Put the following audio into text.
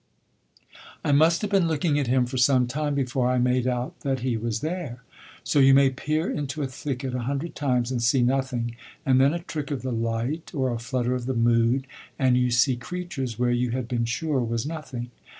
I must have been looking at him for some time before I made out that he was there. So you may peer into a thicket a hundred times and see nothing, and then a trick of the light or a flutter of the mood and you see creatures where you had been sure was nothing.